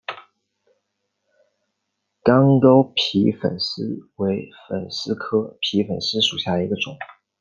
干沟皮粉虱为粉虱科皮粉虱属下的一个种。